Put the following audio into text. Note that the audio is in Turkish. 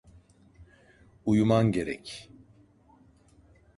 Uyuman gerek.